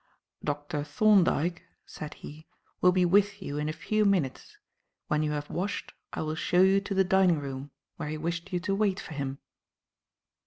"Dr. Thorndyke," said he, "will be with you in a few minutes. When you have washed, I will show you to the dining room where he wished you to wait for him."